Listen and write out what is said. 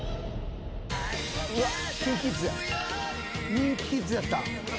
ＮｉｎＫｉＫｉｄｓやった。